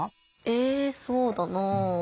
えぇそうだなぁ。